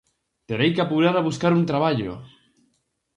"Terei que apurar a buscar un traballo... ".